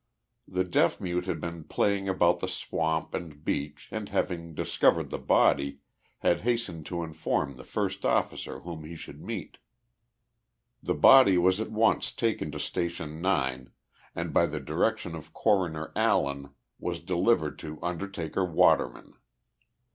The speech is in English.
The deaf mute had been playing about the swamp and beach and having discovered the body, had hastened to inform the first officer whom he should meet. The body was at once taken to Station 0, and by the direc tion of Corouor Allen was delivered to Undertaker 'Waterman.